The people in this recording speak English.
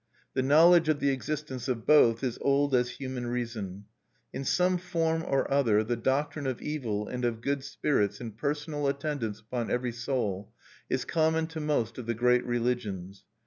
The knowledge of the existence of both is old as human reason. In some form or other, the doctrine of evil and of good spirits in personal attendance upon every soul is common to most of the great religions.